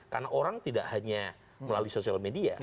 karena orang tidak hanya melalui sosial media